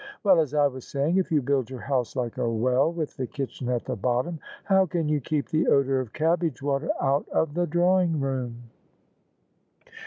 " Well, as I was saying, if you build your house like a well with the kitchen at the bottom, how can you keep the odour of cabbage water out of the drawing room?"